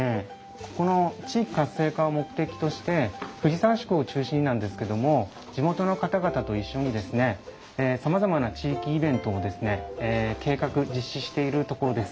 ここの地域活性化を目的として藤沢宿を中心になんですけども地元の方々と一緒にさまざまな地域イベントをですね計画実施しているところです。